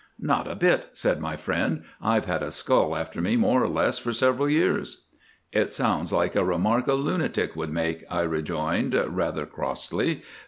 "Not a bit," said my friend, "I've had a skull after me more or less for several years." "It sounds like a remark a lunatic would make," I rejoined rather crossly.